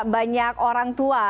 banyak orang tua